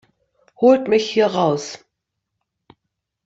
Holt mich hier raus!